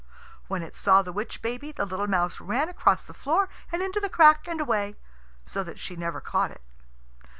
When it saw the witch baby the little mouse ran across the floor and into the crack and away, so that she never caught it.